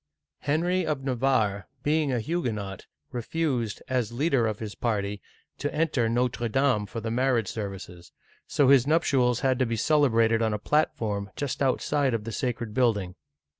Henry of Navarre, being a Huguenot, refused, as leader of his party, to enter Notre Dame for the marriage ser vices, so his nuptials had to be celebrated on a platform just outside of the sacred building.